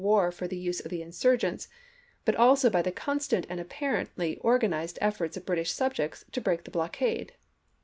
War for the use of the insurgents, but also by the constant and apparently organized efforts of British subjects to break the blockade.